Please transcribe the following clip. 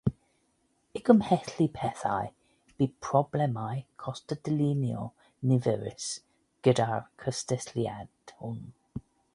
I gymhlethu pethau, bu problemau cost a dylunio niferus gyda'r cysylltiad hwn.